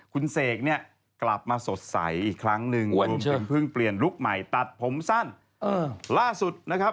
คุณเสกเนี่ยกลับมาสดใสอีกครั้งหนึ่งจนเพิ่งเปลี่ยนลุคใหม่ตัดผมสั้นล่าสุดนะครับ